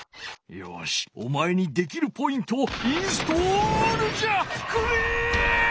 よしお前にできるポイントをインストールじゃ！